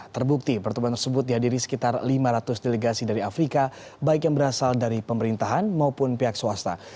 terbukti pertemuan tersebut dihadiri sekitar lima ratus delegasi dari afrika baik yang berasal dari pemerintahan maupun pihak swasta